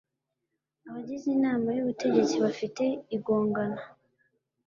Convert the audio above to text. Abagize Inama y Ubutegetsi bafite igongana